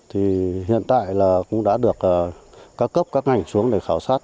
hiện tại cũng đã được các cấp các ngành xuống để khảo sát